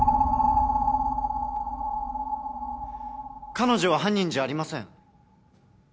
彼女は犯人じゃありません。